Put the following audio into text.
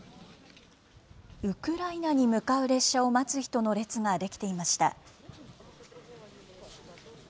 ウクライナに向かう列車を待つ人の列が出来ていました。